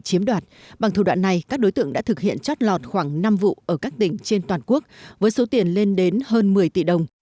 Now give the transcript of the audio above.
công an tp hcm đã thực hiện chót lọt khoảng năm vụ ở các tỉnh trên toàn quốc với số tiền lên đến hơn một mươi tỷ đồng